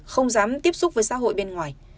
không dám tiếp xúc với xã hội bên ngoài